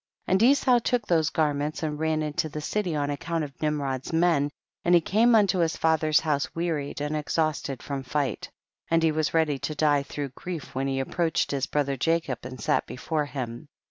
11. And Esau took those garments and ran into the city on account of Nimrod's men, and he came unto his father's house wearied and exhausted from fight, and he was ready to die through grief when he approached his brother Jacob and sat before him.